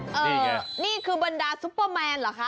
นี่คือบรรดาซุปเปอร์แมนเหรอคะ